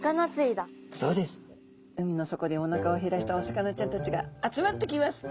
海の底でおなかを減らしたお魚ちゃんたちが集まってきます。